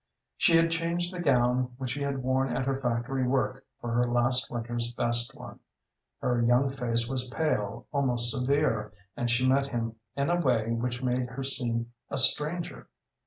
She had changed the gown which she had worn at her factory work for her last winter's best one. Her young face was pale, almost severe, and she met him in a way which made her seem a stranger.